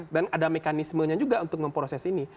dan ada mekanismenya juga untuk memproses ini